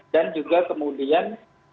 dan juga kemudian